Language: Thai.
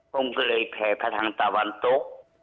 ผมก็เลยแผ่พระทางตะวันตก